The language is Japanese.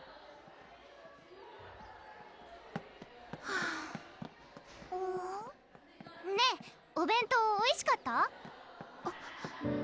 はぁねぇお弁当おいしかった？